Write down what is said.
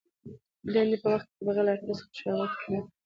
د دندي په وخت کي بغیر له اړتیا څخه شعباتو ته تلل .